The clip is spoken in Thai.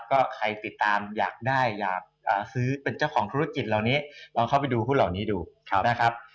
ก็ใครติดตามอยากได้อยากซื้อเป็นเจ้าของธุรกิจเหล่านี้ลองเข้าไปดูหุ้นเหล่านี้ดูนะครับ